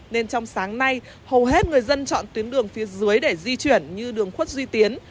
nên trong sáng nay hầu hết người dân chọn tuyến đường phía dưới để di chuyển như đường khuất duy tiến